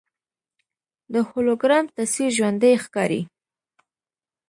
د هولوګرام تصویر ژوندی ښکاري.